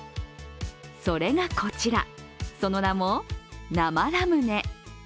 それがこちら、その名も生ラムネ。